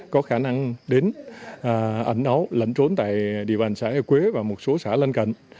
có khả năng đến ẩn ấu lẩn trốn tại địa bàn xã hè quế và một số xã lân cận